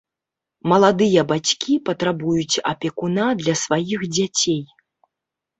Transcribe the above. Маладыя бацькі патрабуюць апекуна для сваіх дзяцей.